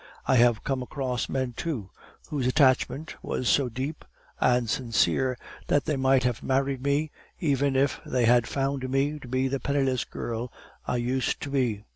I have come across men, too, whose attachment was so deep and sincere that they might have married me even if they had found me the penniless girl I used to be.